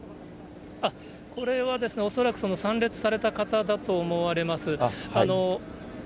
これは恐らく、参列された方だと思われます。